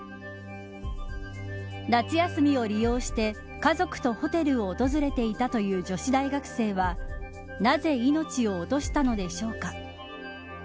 夏休みを利用して家族とホテルを訪れていたという女子大学生はなぜ命を落としたのでしょうか。